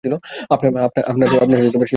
আপনার সেই বন্ধু?